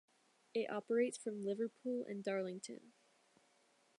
It operates from Liverpool and Darlington.